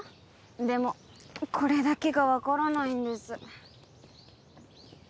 でもこれだけが分からないんです。